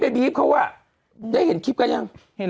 บีฟเขาอ่ะได้เห็นคลิปกันยัง